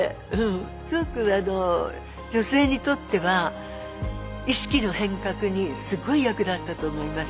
すごく女性にとっては意識の変革にすごい役立ったと思います。